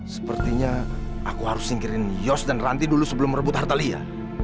sepertinya aku harus singkirin yos dan ranti dulu sebelum merebut hartalia